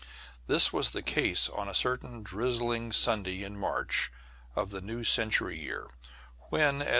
] This was the case on a certain drizzling Sunday in March of the new century year, when, at 6.